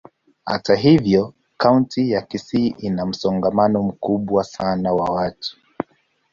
Hata hivyo, kaunti ya Kisii ina msongamano mkubwa sana wa watu.